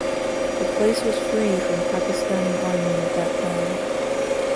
The place was free from Pakistani Army at that time.